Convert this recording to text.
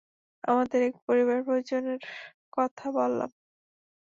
আমাদের এক পরিবারের প্রয়োজনের কথা বললাম।